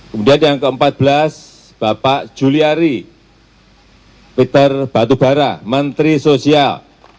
kemudian yang ke empat belas bapak juliari peter batubara menteri sosial